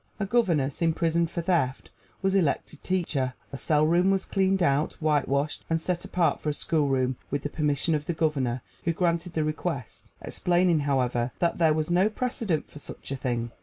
A governess, imprisoned for theft, was elected teacher. A cell room was cleaned out, whitewashed, and set apart for a schoolroom, with the permission of the Governor, who granted the request, explaining, however, that there was no precedent for such a thing.